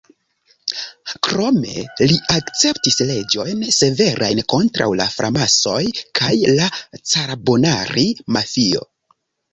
Krome li akceptis leĝojn severajn kontraŭ la framasonoj kaj la Carbonari-mafio.